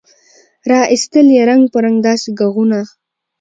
را ایستل یې رنګ په رنګ داسي ږغونه